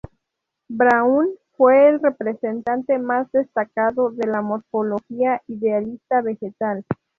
Braun fue el representante más destacado de la morfología idealista vegetal.